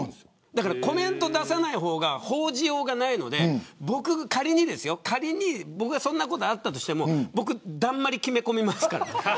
コメント出さない方が報じようがないので仮に、僕がそんなことがあったとしてもだんまり決め込みますから。